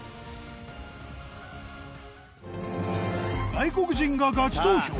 外国人がガチ投票！